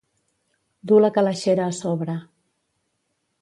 Dur la calaixera a sobre.